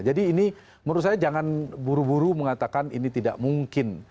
jadi ini menurut saya jangan buru buru mengatakan ini tidak mungkin